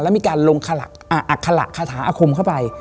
แล้วมีการลงอัคละคาถาอาคมเข้าไป